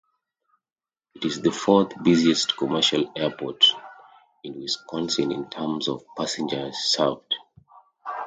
It is the fourth-busiest commercial airport in Wisconsin in terms of passengers served.